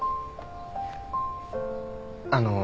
あの。